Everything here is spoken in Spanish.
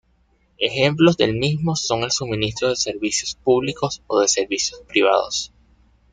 Ejemplos del mismo son el suministro de servicios públicos o de servicios privados.